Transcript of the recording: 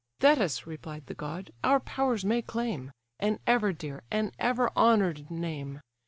"Thetis (replied the god) our powers may claim, An ever dear, an ever honour'd name!